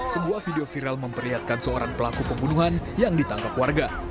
sebuah video viral memperlihatkan seorang pelaku pembunuhan yang ditangkap warga